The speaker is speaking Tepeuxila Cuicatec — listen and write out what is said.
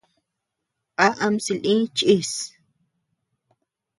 ¿A am silï chíʼs.